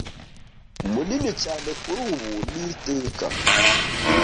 munini cyane kurubu ni iteka